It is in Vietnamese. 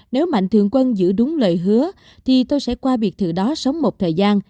nếu mạnh thường quân giữ đúng lời hứa thì tôi sẽ qua biệt thự đó sống một thời gian